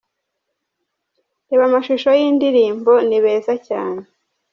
Reba amashusho y'indirimbo 'Ni beza cyane'.